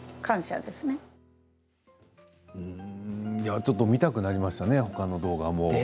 ちょっと見たくなりましたね、ほかの動画も。